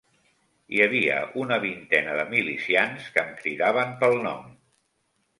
Hi havia una vintena de milicians que em cridaven pel nom